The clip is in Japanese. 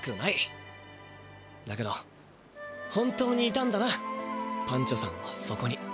だけど本当にいたんだなパンチョさんはそこに。